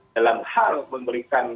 dalam hal memberikan